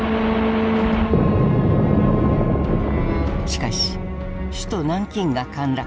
しかし首都・南京が陥落。